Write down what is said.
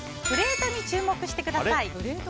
プレートに注目してください。